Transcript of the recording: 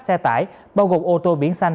xe tải bao gồm ô tô biển xanh